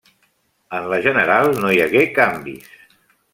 En la general no hi hagué canvis.